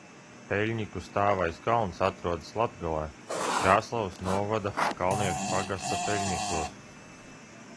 Peļņiku Stāvais kalns atrodas Latgalē, Krāslavas novada Kalniešu pagasta Peļnikos.